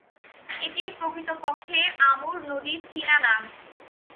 এটি প্রকৃতপক্ষে আমুর নদীর চীনা নাম।